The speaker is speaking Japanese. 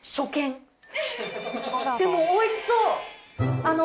でもおいしそう！